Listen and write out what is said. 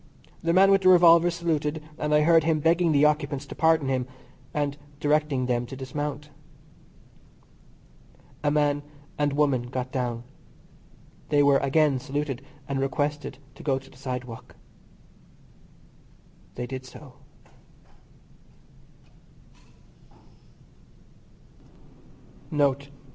The man with the revolver saluted, and I heard him begging the occupants to pardon him, and directing them to dismount. A man and woman got down. They were again saluted and requested to go to the sidewalk. They did so.